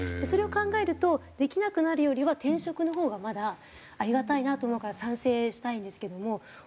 それを考えるとできなくなるよりは転職のほうがまだありがたいなと思うから賛成したいんですけども。